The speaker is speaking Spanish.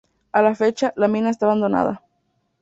A la fecha, la mina está abandonada.